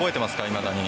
いまだに。